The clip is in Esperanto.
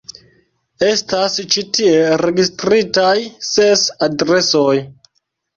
Estas ĉi tie registritaj ses adresoj.